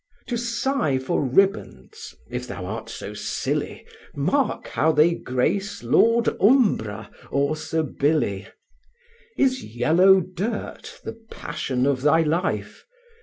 To sigh for ribands if thou art so silly, Mark how they grace Lord Umbra, or Sir Billy: Is yellow dirt the passion of thy life?